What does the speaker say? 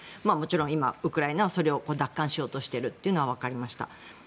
もちろん、ウクライナはそれを奪還しようとしているのは分かりました。